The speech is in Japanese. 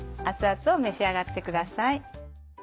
熱々を召し上がってください。